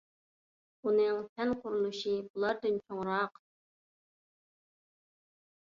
ئۇنىڭ تەن قۇرۇلۇشى بۇلاردىن چوڭراق.